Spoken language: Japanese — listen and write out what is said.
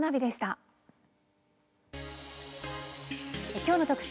きょうの特集